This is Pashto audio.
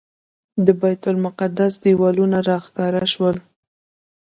د بیت المقدس دیوالونه راښکاره شول.